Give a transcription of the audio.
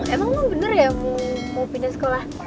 emang bener ya mau pindah sekolah